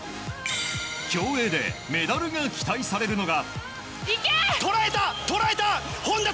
競泳でメダルが期待されるのが。